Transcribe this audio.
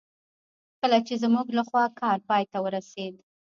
کله چې زموږ لخوا کار پای ته ورسېد.